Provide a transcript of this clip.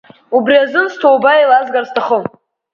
Убри азын сҭоуба еилазгар сҭахым!